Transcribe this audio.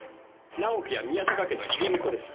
直樹は宮坂家の入り婿です。